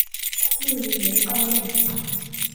库尔热奥内。